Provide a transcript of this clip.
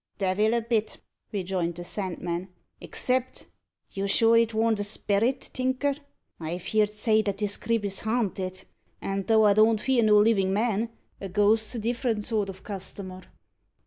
"Devil a bit," rejoined the Sandman, "except you're sure it worn't a sperrit, Tinker. I've heerd say that this crib is haanted, and though I don't fear no livin' man, a ghost's a different sort of customer."